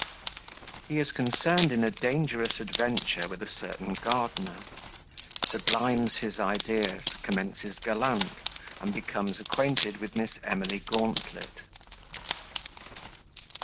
He is concerned in a dangerous Adventure with a certain Gardener Sublimes his Ideas, commences Gallant, and becomes acquainted with Miss Emily Gauntlet.